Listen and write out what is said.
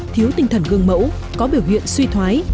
thiếu tinh thần gương mẫu có biểu hiện suy thoái